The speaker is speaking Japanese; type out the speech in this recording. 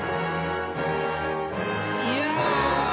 いや！